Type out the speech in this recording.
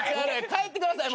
帰ってください。